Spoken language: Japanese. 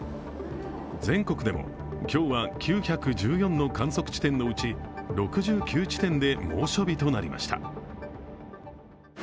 全国でも今日は９１４の観測地点のうち６９地点で猛暑日となりました。